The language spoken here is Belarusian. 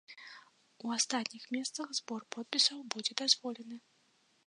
У астатніх месцах збор подпісаў будзе дазволены.